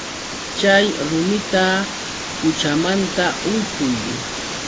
Chay rumita quchamanta hurquy.